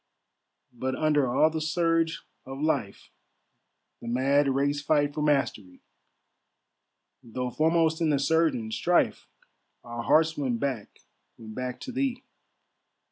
"But under all the surge of life, The mad race fight for mastery, Though foremost in the surgent strife, Our hearts went back, went back to thee."